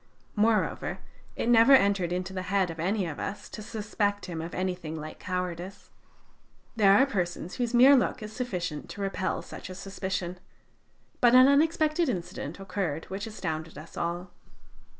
Moreover, it never entered into the head of any of us to suspect him of anything like cowardice. There are persons whose mere look is sufficient to repel such a suspicion. But an unexpected incident occurred which astounded us all.